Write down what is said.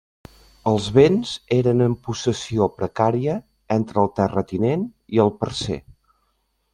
Els béns eren en possessió precària entre el terratinent i el parcer.